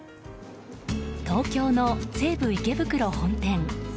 東京の西武池袋本店。